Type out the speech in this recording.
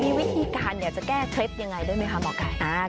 มีวิธีการอยากจะแก้เคล็ดยังไงด้วยไหมคะหมอไก่